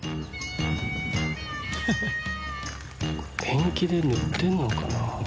ペンキで塗ってるのかな？